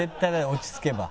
落ち着けば。